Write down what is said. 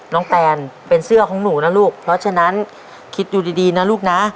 แตนเป็นเสื้อของหนูนะลูกเพราะฉะนั้นคิดดูดีนะลูกนะ